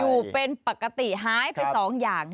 อยู่เป็นปกติหายไป๒อย่าง